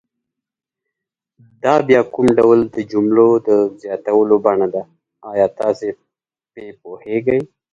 دا بیا کوم ډول د جملو زیاتولو بڼه ده آیا تاسې په پوهیږئ؟